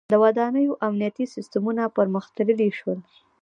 • د ودانیو امنیتي سیستمونه پرمختللي شول.